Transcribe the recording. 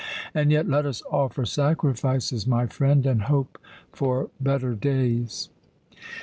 And yet! Let us offer sacrifices, my friend, and hope for better days!"